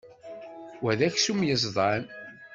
Wa d aksum yeẓdan.